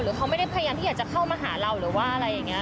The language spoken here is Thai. เขาไม่ได้พยายามที่อยากจะเข้ามาหาเราหรือว่าอะไรอย่างนี้